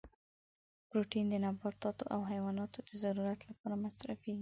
پروتین د نباتاتو او حیواناتو د ضرورت لپاره مصرفیږي.